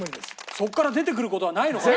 そこから出てくる事はないのかな